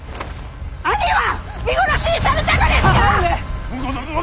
兄は見殺しにされたのですか！